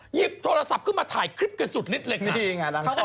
หยิบโทรศัพท์ขึ้นมาถ่ายคลิปกันสุดนิดเลยค่ะ